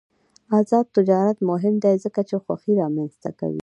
آزاد تجارت مهم دی ځکه چې خوښي رامنځته کوي.